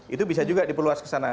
itu bisa juga diperluas ke sana